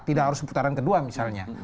tidak harus putaran kedua misalnya